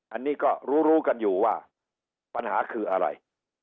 อันนี้ก็รู้รู้กันอยู่ว่าปัญหาคืออะไร